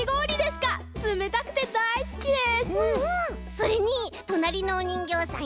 それにとなりのおにんぎょうさん